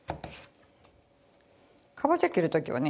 かぼちゃ切る時はね